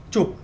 chụp bức ảnh